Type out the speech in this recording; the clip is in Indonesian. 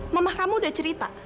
mama kamu udah cerita